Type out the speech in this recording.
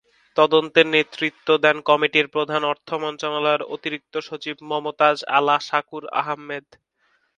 তদন্তের নেতৃত্ব দেন কমিটির প্রধান অর্থ মন্ত্রণালয়ের অতিরিক্ত সচিব মমতাজ আলা শাকুর আহমেদ।